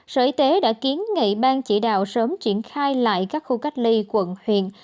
sở y tế đã kiến nghị bang chỉ đạo sớm triển khai lại các khu cách ly quận huyện